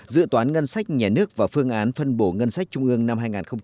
dự toán ngân sách nhà nước và phương án phân bổ ngân sách trung ương năm hai nghìn hai mươi